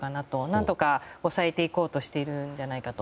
何とか抑えていこうとしているんじゃないかと。